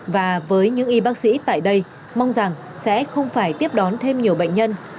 và với những y bác sĩ tại đây mong rằng sẽ không phải tiếp đón thêm nhiều bệnh nhân